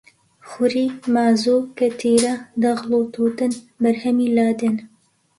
خوری، مازوو، کەتیرە، دەغڵ و تووتن بەرهەمی لادێن